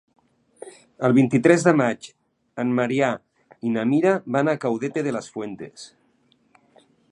El vint-i-tres de maig en Maria i na Mira van a Caudete de las Fuentes.